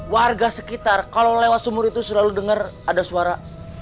warga sekitar kalau lewat sumur itu selalu dengar ada suara